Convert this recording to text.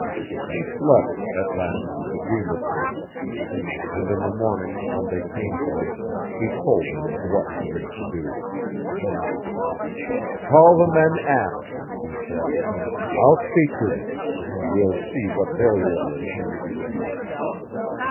He slept, at last, dreamlessly; and in the morning, when they came to him, he told them what he wished to do. "Call the men aft," he said. "I'll speak to them. We'll see what their will is."